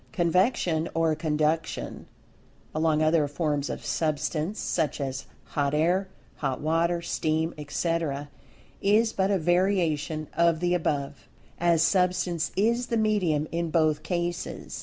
Convection or conduction along other forms of Substance, such as hot air, hot water steam, etc., is but a variation of the above, as Substance is the medium in both cases.